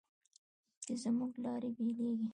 چې زموږ لارې بېلېږي